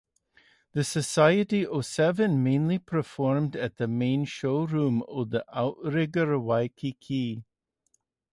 The Society of Seven mainly performed at the Main Showroom of the Outrigger Waikiki.